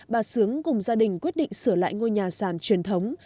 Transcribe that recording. bà sướng cùng gia đình quyết định sửa lại ngôi nhà sàn truyền thống